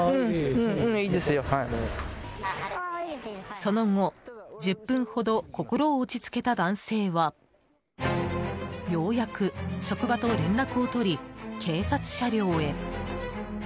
その後、１０分ほど心を落ち着けた男性はようやく職場と連絡を取り警察車両へ。